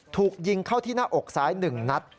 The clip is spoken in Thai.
ถูกยิงเข้าที่หน้าอกซ้าย๑นัด